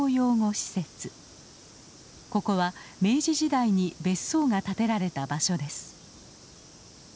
ここは明治時代に別荘が建てられた場所です。